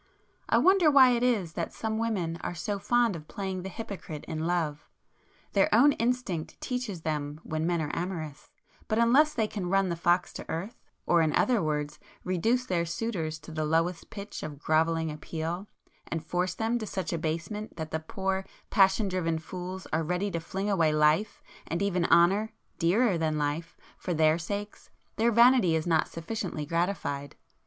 I wonder why it is that some women are so fond of playing the hypocrite in love? Their own instinct teaches them when men are amorous; but unless they can run the fox to earth, or in other words, reduce their suitors to the lowest pitch of grovelling appeal, and force them to such abasement that the poor passion driven fools are ready to fling away life, and even honour, dearer than life, for their sakes, their vanity is not sufficiently gratified.